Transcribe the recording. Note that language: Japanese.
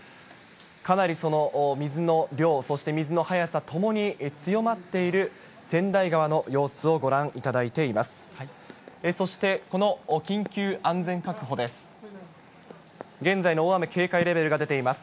かなり水の量、そして水の速さともに強まっている川内川の様子をご覧いただいています。